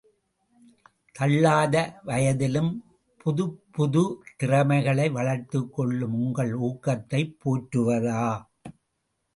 தள்ளாத வயதிலும் புதுப்புதுத் திறமைகளை வளர்த்துக் கொள்ளும் உங்கள் ஊக்கத்தைப் போற்றுவதா?